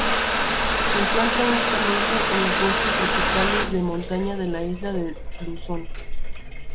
Se encuentra únicamente en los bosques tropicales de montaña de la isla de Luzón.